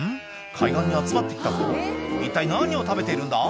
海岸に集まってきたぞ一体何を食べてるんだ？